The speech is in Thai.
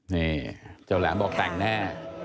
นี่เจ้าแหลมบอกแต่งแน่